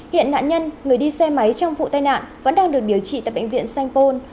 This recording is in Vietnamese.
hiện nạn nhân người đi xe máy trong vụ tai nạn vẫn đang được điều trị tại bệnh viện sanh pôn